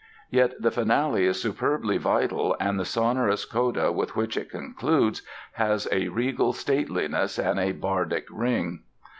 Yet the finale is superbly vital and the sonorous coda with which it concludes has a regal stateliness and a bardic ring.